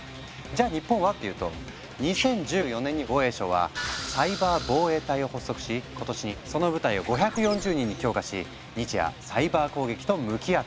じゃあ日本はっていうと２０１４年に防衛省は「サイバー防衛隊」を発足し今年にその部隊を５４０人に強化し日夜サイバー攻撃と向き合っている。